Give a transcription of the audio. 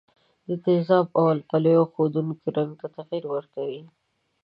د تیزابونو او القلیو ښودونکي رنګ ته تغیر ورکوي.